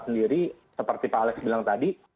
sendiri seperti pak alex bilang tadi